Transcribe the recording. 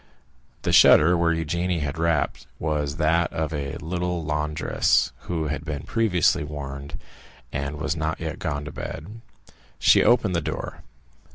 The shutter where Eugénie had rapped was that of a little laundress, who had been previously warned, and was not yet gone to bed. She opened the door.